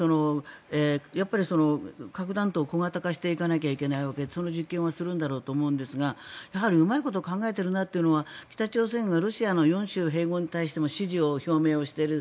やっぱり、核弾頭を小型化していかなくてはいけないわけでその実験はするんだろうと思うんですがやはりうまいこと考えているなと思うのは北朝鮮がロシアの４州併合に対しても支持を表明している。